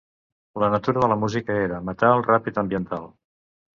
La natura de la música era metal ràpid ambiental.